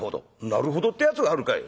「なるほどってやつがあるかい！」。